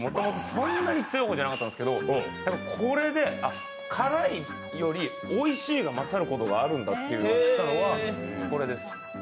そんなに強い方じゃなかったんですけどこれで、辛いよりおいしいが勝ることがあるんだということを知ったのはこれです。